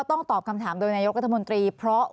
สวัสดีค่ะคุณผู้ชมค่ะสิ่งที่คาดว่าอาจจะเกิดขึ้นแล้วนะคะ